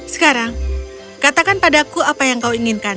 sekarang katakan padaku apa yang kau inginkan